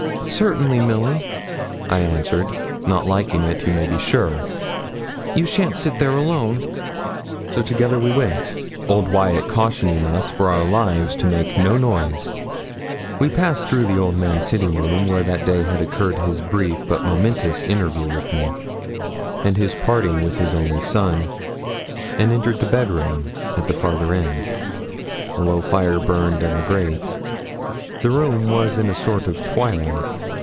'Certainly, Milly,' I answered, not liking it, you may be sure; 'you shan't sit there alone.' So together we went, old Wyat cautioning us for our lives to make no noise. We passed through the old man's sitting room, where that day had occurred his brief but momentous interview with me, and his parting with his only son, and entered the bed room at the farther end. A low fire burned in the grate. The room was in a sort of twilight.